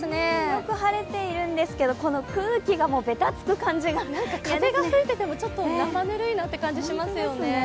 よく晴れているんですが空気がべたつく感じが風が吹いていても、ちょっと生ぬるいなという感じがしますね。